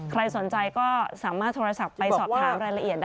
ใครสนใจก็สามารถโทรศัพท์ไปสอบถามรายละเอียดได้